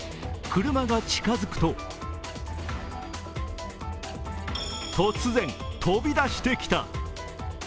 車が近づくと突然、飛び出してきた。